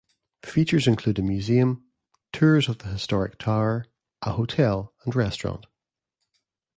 Features includes a museum, tours of the historic tower, a hotel and restaurant.